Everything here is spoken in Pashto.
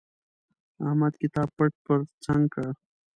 احمد کتاب پټ پر څنګ کړ.